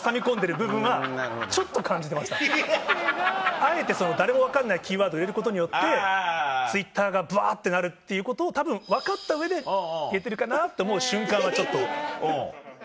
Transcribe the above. あえて誰も分かんないキーワードを入れることによってＴｗｉｔｔｅｒがぶわってなるっていうことをたぶん分かった上で入れてるかなって思う瞬間はちょっと。